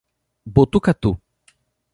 Botucatu